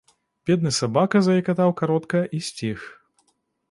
Бедны сабака заекатаў каротка і сціх.